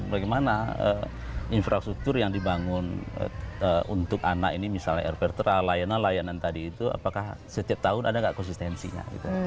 bagaimana infrastruktur yang dibangun untuk anak ini misalnya air pertera layanan layanan tadi itu apakah setiap tahun ada nggak konsistensinya